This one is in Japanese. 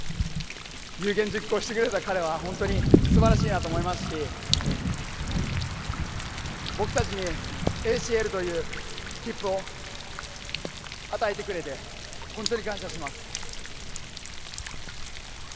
有言実行してくれた彼は本当にすばらしいなと思いますし僕たちにＡＣＬという切符を与えてくれて本当に感謝しています。